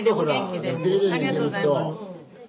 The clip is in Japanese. ありがとうございます。